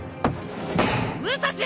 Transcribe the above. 武蔵！